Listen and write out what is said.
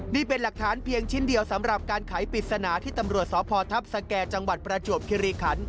นี่เป็นหลักฐานเพียงชิ้นเดียวสำหรับการไขปริศนาที่ตำรวจสพทัพสแก่จังหวัดประจวบคิริขัน